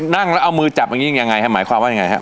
นั่งแล้วเอามือจับอย่างนี้ยังไงฮะหมายความว่ายังไงฮะ